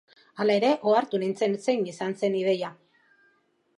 Hala ere, ohartu nintzen zein izan zen ideia.